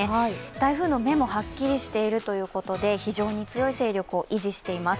台風の目もはっきりしているということで非常に強い勢力を維持しています。